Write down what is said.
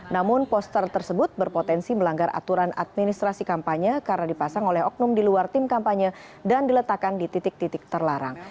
namun poster tersebut berpotensi melanggar aturan administrasi kampanye karena dipasang oleh oknum di luar tim kampanye dan diletakkan di titik titik terlarang